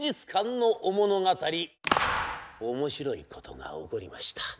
面白いことが起こりました。